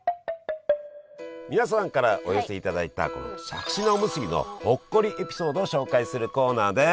皆さんからお寄せいただいたこのしゃくし菜おむすびのほっこりエピソードを紹介するコーナーです！